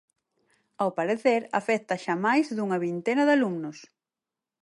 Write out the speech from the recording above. Ao parecer afecta xa máis dunha vintena de alumnos.